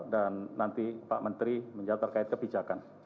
dan nanti pak menteri menjawab terkait kebijakan